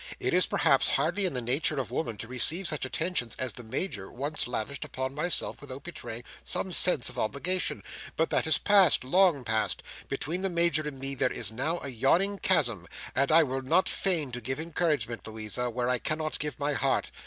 It is, perhaps, hardly in the nature of woman to receive such attentions as the Major once lavished upon myself without betraying some sense of obligation. But that is past—long past. Between the Major and me there is now a yawning chasm, and I will not feign to give encouragement, Louisa, where I cannot give my heart.